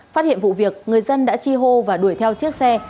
phát hiện vụ việc người dân đã chi hô và đuổi theo chiếc xe